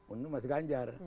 untuk mas ganjar